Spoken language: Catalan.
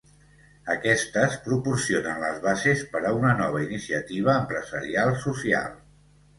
Aquestes proporcionen les bases per a una nova iniciativa empresarial social.